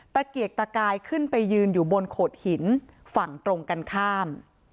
ตะเกียกตะกายขึ้นไปยืนอยู่บนโขดหินฝั่งตรงกันข้าม